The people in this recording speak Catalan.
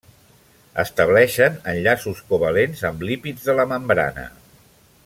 Estableixen enllaços covalents amb lípids de la membrana.